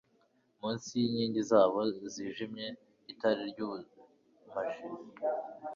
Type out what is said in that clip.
munsi yinkingi zabo zijimye itara ryubumaji